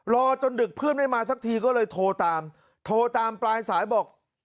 รอจนดึกเพื่อนไม่มาสักทีก็เลยโทรตามโทรตามปลายสายบอก